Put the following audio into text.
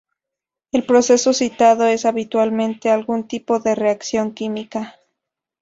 El proceso citado es habitualmente algún tipo de reacción química.